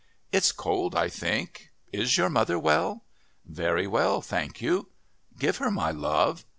"It's cold, I think. Is your mother well?" "Very well, thank you." "Give her my love."